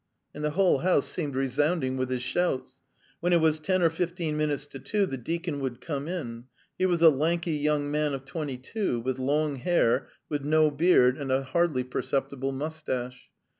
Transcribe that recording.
And the whole house seemed resounding with his shouts. When it was ten or fifteen minutes to two the deacon would come in; he was a lanky young man of twenty two, with long hair, with no beard and a hardly perceptible moustache.